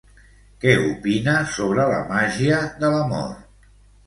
Què opina sobre la màgia de l'amor?